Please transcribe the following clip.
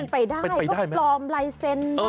ปุ๊บเป็นไปได้ปลอมไลเซ็นต์ได้